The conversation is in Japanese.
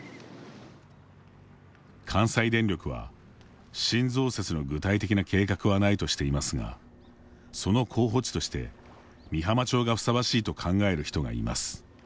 関西電力は新増設の具体的な計画はないとしていますがその候補地として美浜町がふさわしいと考える人がいます。